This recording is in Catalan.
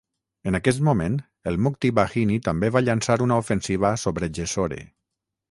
En aquest moment, el Mukti Bahini també va llançar una ofensiva sobre Jessore.